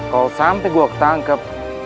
kau sampe gua ketangkap